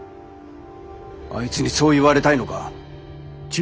あいつにそう言われたいのか？